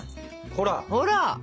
ほら！